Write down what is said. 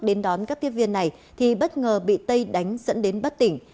đến đón các tiếp viên này thì bất ngờ bị tây đánh dẫn đến bất tỉnh